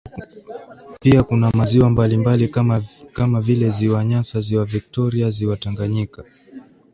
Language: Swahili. pia kuna maziwa mbalimbali kama vile ziwa nyasa ziwa victoriaziwa Tanganyika